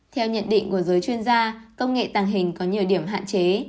theo nhận định của giới chuyên gia công nghệ tàng hình có nhiều điểm hạn chế